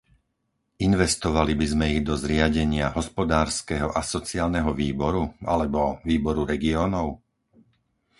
Investovali by sme ich do zriadenia Hospodárskeho a sociálneho výboru alebo Výboru regiónov?